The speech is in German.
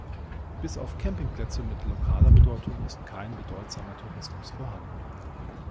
Bis auf Campingplätze mit lokaler Bedeutung ist kein bedeutsamer Tourismus vorhanden.